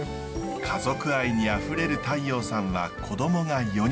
家族愛にあふれる太陽さんは子どもが４人。